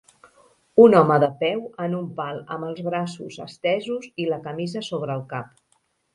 Un home de peu en un pal amb els braços estesos i la camisa sobre el cap.